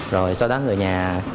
rồi sau đó người nhà